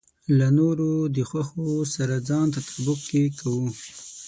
له نورو د خوښو سره ځان تطابق کې کوو.